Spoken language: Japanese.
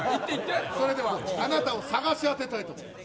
それでは、あなたを探し当てようと思います。